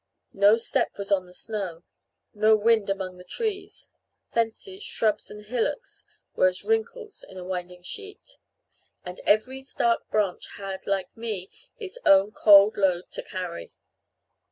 No step was on the snow, no wind among the trees; fences, shrubs, and hillocks were as wrinkles in a winding sheet, and every stark branch had like me its own cold load to carry.